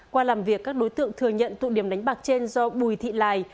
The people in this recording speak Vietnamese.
qua làm việc các đối tượng thừa nhận tụ điểm đánh bạc trên do bùi thị lài